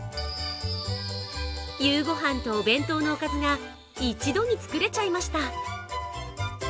夕ご飯とお弁当のおかずが一度に作れちゃいました。